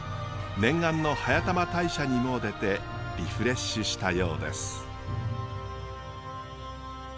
念願の速玉大社に詣でてリフレッシュしたようです。